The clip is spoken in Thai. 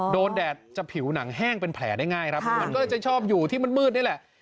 แดดจะผิวหนังแห้งเป็นแผลได้ง่ายครับมันก็จะชอบอยู่ที่มันมืดนี่แหละ